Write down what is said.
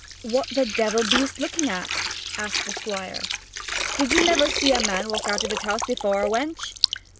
'What the devil beest looking at?' said the Squire. 'Did you never see a man walk out of his house before, wench?'